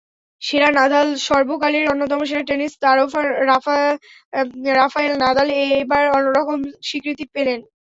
সেরা নাদালসর্বকালের অন্যতম সেরা টেনিস তারকা রাফায়েল নাদাল এবার অন্যরকম স্বীকৃতি পেলেন।